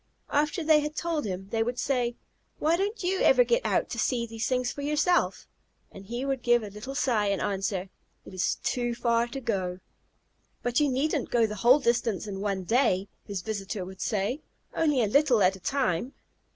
After they had told him, they would say, "Why, don't you ever get out to see these things for yourself?" and he would give a little sigh and answer, "It is too far to go." "But you needn't go the whole distance in one day," his visitor would say, "only a little at a time."